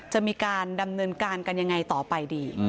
จะมีการดำเนินการกันยังไงต่อไปดี